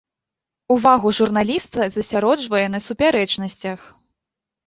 Увагу журналіста засяроджвае на супярэчнасцях.